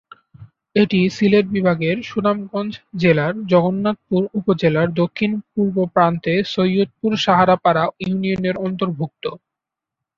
এটি সিলেট বিভাগের সুনামগঞ্জ জেলার জগন্নাথপুর উপজেলার দক্ষিণ-পূর্ব প্রান্তে সৈয়দপুর-শাহারপাড়া ইউনিয়নের অন্তর্ভুক্ত।